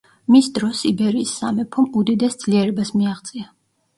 მის დროს იბერიის სამეფომ უდიდეს ძლიერებას მიაღწია.